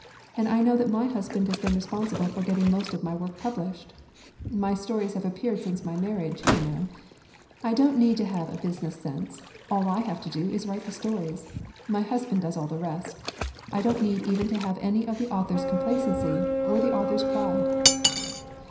And I know that my husband has been responsible for getting most of my work published. My stories have appeared since my marriage, you know. I don't need to have a business sense, all I have to do is to write 20 THE JOYS OF THE POOR the stories. My husband does all the rest I don't need even to have any of the author's com placency, or the author's pride!"